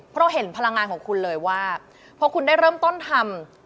เพราะเห็นพลังงานของคุณเลยว่าพอคุณได้เริ่มต้นทำ